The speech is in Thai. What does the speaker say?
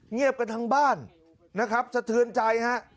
เงียบกันทั้งบ้านนะครับสะเทือนใจฮะ